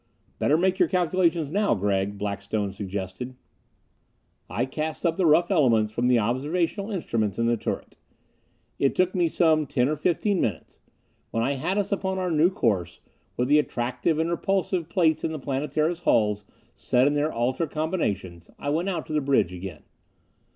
"Better make your calculations now, Gregg," Blackstone suggested. I cast up the rough elements from the observational instruments in the turret. It took me some ten or fifteen minutes. When I had us upon our new course, with the attractive and repulsive plates in the Planetara's hull set in their altered combinations, I went out to the bridge again.